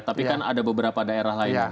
tapi kan ada beberapa daerah lain